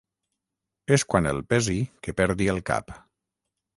És quan el pesi que perdi el cap.